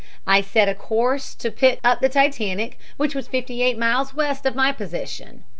I set a course to pick up the Titanic, which was fifty eight miles west of my position.